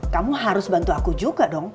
kamu harus bantu aku juga dong